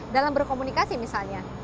dalam berkomunikasi misalnya